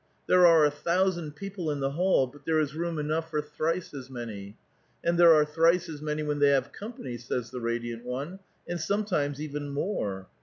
^ There are a thousand people in the hall, but there is room enough for thrice as many. '* And there are thrice as many when they have company," says the radiant one, " and sometimes even more."